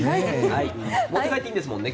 持って帰っていいんですよね？